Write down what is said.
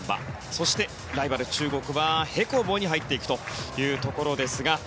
そして、ライバル中国は平行棒に入っていくというところですが。